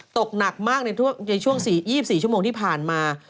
ตกหนักมากในช่วง๒๔ชั่วโมงที่ผ่านมา